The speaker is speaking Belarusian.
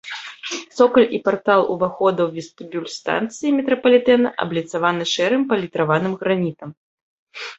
Цокаль і партал увахода ў вестыбюль станцыі метрапалітэна абліцаваны шэрым паліраваным гранітам.